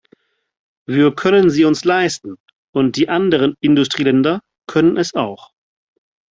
Wir können sie uns leisten, und die anderen Industrieländer können es auch.